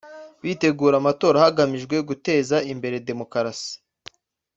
bitegura amatora hagamijwe guteza imbere Demokarasi